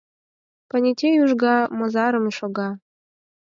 Понетей, ужга мызарым шога?